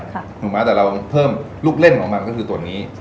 ถูกไหมแต่เราเพิ่มลูกเล่นของมันก็คือตัวนี้